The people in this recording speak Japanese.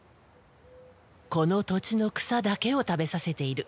この土地の草だけを食べさせている。